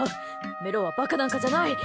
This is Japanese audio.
メロはバカなんかじゃない！